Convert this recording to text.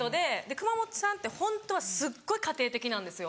熊元さんってホントはすっごい家庭的なんですよ。